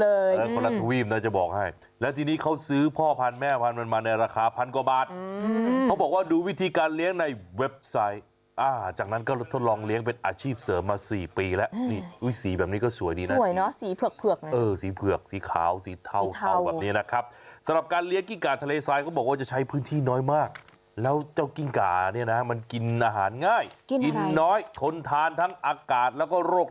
ออสเตรเลียคุณผู้ชมไม่ใช่ออสเตรเลียคุณผู้ชมไม่ใช่ออสเตรเลียคุณผู้ชมไม่ใช่ออสเตรเลียคุณผู้ชมไม่ใช่ออสเตรเลียคุณผู้ชมไม่ใช่ออสเตรเลียคุณผู้ชมไม่ใช่ออสเตรเลียคุณผู้ชมไม่ใช่ออสเตรเลียคุณผู้ชมไม่ใช่ออสเตรเลียคุณผู้ชมไม่ใช่ออสเตรเลียคุณผู้ชมไม่ใช่ออสเตรเลียค